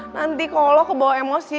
nanti kalo lo kebawa emosi